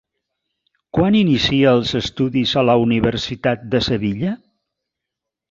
Quan inicia els estudis a la universitat de Sevilla?